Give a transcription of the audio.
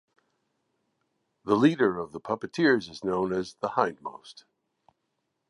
The leader of the Puppeteers is known as the Hindmost.